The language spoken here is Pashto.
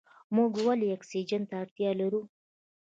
موږ ولې اکسیجن ته اړتیا لرو؟